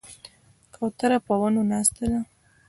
کوتره په ونو ناسته ده.